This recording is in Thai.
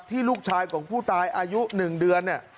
ลูกชายของผู้ตายอายุ๑เดือนเนี่ย